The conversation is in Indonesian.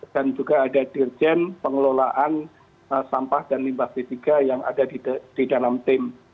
dan juga ada dirjen pengelolaan sampah dan limbah p tiga yang ada di dpr